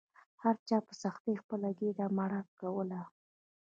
هر چا په سختۍ خپله ګیډه مړه کوله.